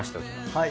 はい。